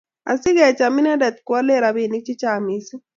Asigocham inendet koalee robinik chechang mising